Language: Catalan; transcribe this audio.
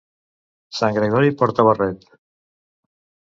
Sant Gregori porta barret.